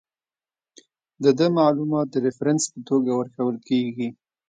د ده معلومات د ریفرنس په توګه ورکول کیږي.